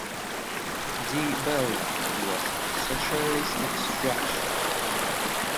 Di Bello was of socialist extraction.